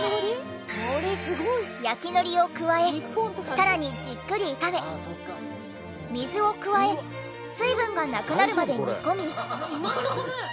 焼きのりを加えさらにじっくり炒め水を加え水分がなくなるまで煮込み。